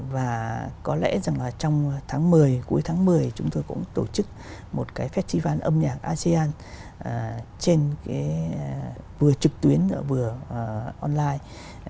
và có lẽ rằng là trong tháng một mươi cuối tháng một mươi chúng tôi cũng tổ chức một cái festival âm nhạc asean trên cái vừa trực tuyến vừa online